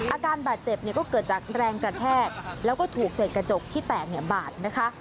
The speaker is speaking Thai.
อาการบาดเจ็บเนี่ยก็เกิดจากแรงกระแทกแล้วก็ถูกเศษกระจกที่แตกเนี่ยบาดนะคะ